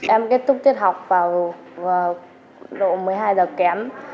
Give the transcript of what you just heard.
em kết thúc tiết học vào độ một mươi hai giờ kém